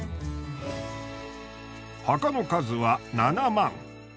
墓の数は７万。